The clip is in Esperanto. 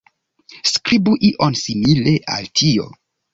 Skribu ion simile al tio